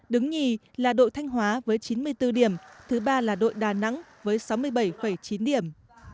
đứng nhì là đội thanh hóa với chín mươi bốn điểm thứ ba là đội đà nẵng với sáu mươi bảy chín điểm